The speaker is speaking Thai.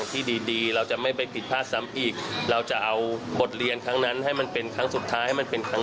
คือจากการขับปากหน้ากัน